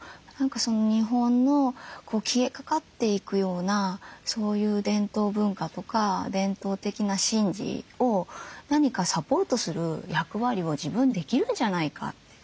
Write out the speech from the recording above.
日本の消えかかっていくようなそういう伝統文化とか伝統的な神事を何かサポートする役割を自分できるんじゃないかって。